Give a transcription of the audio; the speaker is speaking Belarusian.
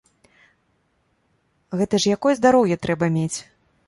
Гэта ж якое здароўе трэба мець!